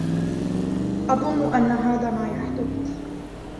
أظنّ أن هذا ما يحدث.